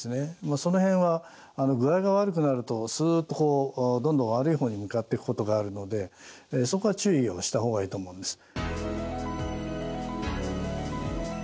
その辺は具合が悪くなるとすっとどんどん悪い方に向かっていくことがあるのでそこは注意をした方がいいと思うんです。